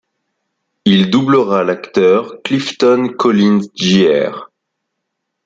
Il doublera l'acteur Clifton Collins Jr.